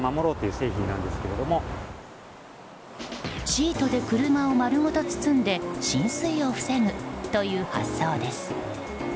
シートで車を丸ごと包んで浸水を防ぐという発想です。